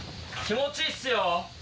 気持ちいいっすよ。